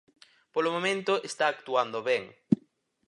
Polo momento está actuando ben.